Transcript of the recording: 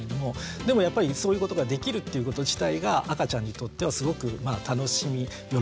でもやっぱりそういうことができるっていうこと自体が赤ちゃんにとってはすごくまあ楽しみ喜びなんですね。